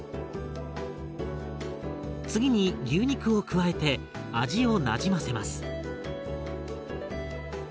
次に牛肉を加えて味をなじませます。